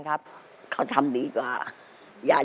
ตัวเลือกที่สอง๘คน